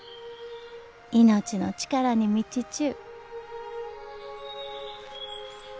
命の力に満ちちゅう。